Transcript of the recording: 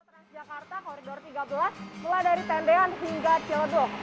tras jakarta koridor tiga belas mulai dari tendean hingga cilodok